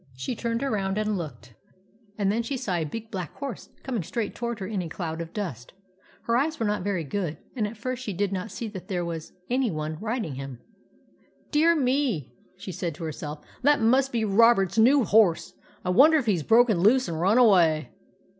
She turned around and looked, and then she saw a big black horse coming straight toward her in a cloud of dust. Her eyes were not very good, and at first she did not see that there was any one riding him. " Dear me !" she said to herself. " That must be Robert's new horse. I wonder if he 's broken loose and run away."